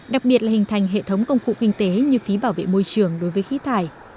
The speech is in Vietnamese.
đặc biệt là hình thành hệ thống công cụ kinh tế như phí bảo vệ môi trường đối với khí thải